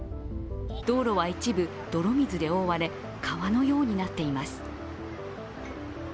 道路は一部、泥水で覆われ、川のようになっています。